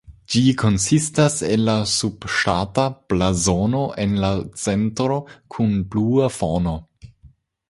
Ĝi konsistas el la subŝtata blazono en la centro kun blua fono.